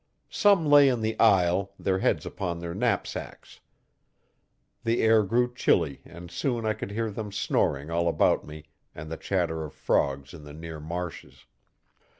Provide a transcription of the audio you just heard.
Some lay in the aisle, their heads upon their knapsacks. The air grew chilly and soon I could hear them snoring all about me and the chatter of frogs in the near marshes.